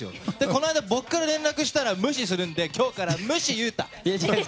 この間僕から連絡したら無視したので今日から、むし優太！